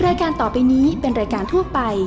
รายการต่อไปนี้เป็นรายการทั่วไป